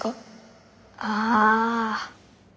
ああ。